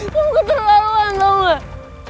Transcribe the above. lo ketertaruan tau gak